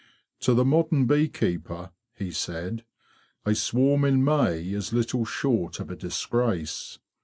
"To the modern bee keeper,'? he said, ''a swarm in May is little short of a disgrace.